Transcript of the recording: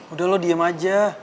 udah lo diem aja